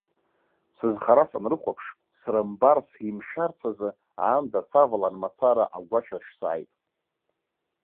Сызхара санрыхәаԥш, срымбарц, имшәарц азы, аанда савалан мацара агәашә аҿы сааит.